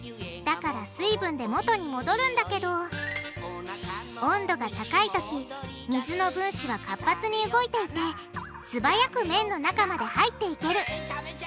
だから水分で元に戻るんだけど温度が高いとき水の分子は活発に動いていて素早くめんの中まで入っていける。